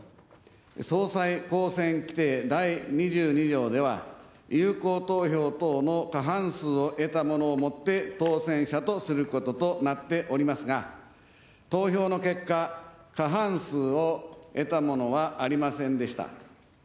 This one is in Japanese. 総裁当選規定第２２条では、有効投票等の過半数を得たものをもって、当選者とすることとなっておりますが、投票の結果、過半数を得たものはありませんでした。